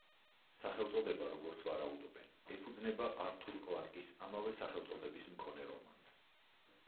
სახელწოდება, როგორც ვარაუდობენ, ეფუძნება ართურ კლარკის ამავე სახელწოდების მქონე რომანს.